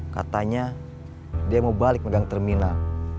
ketika saya balik saya pegang terminal